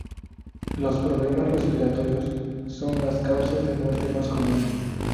Los problemas respiratorios son las causas de muerte más comunes.